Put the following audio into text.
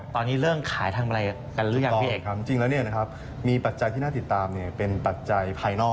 ตอนนี้เรื่องขายทางไรกันหรือยังพี่เอกจริงแล้วมีปัจจัยที่น่าติดตามเป็นปัจจัยภายนอก